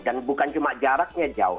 dan bukan cuma jaraknya jauh